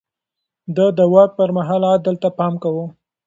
ده د واک پر مهال عدل ته پام کاوه.